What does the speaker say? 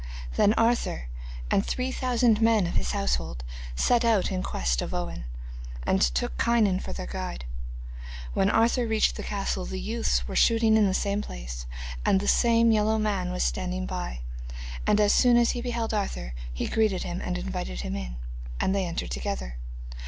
Then Arthur and three thousand men of his household set out in quest of Owen, and took Kynon for their guide. When Arthur reached the castle, the youths were shooting in the same place, and the same yellow man was standing by, and as soon as he beheld Arthur he greeted him and invited him in, and they entered together.